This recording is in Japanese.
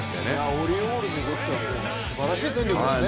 オリオールズにとってはすばらしい戦力ですね。